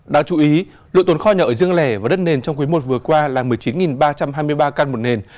đã chú ý lượng tồn kho nhà ở dương lẻ và đất nền trong quyến một vừa qua là một mươi chín ba trăm hai mươi ba căn một nền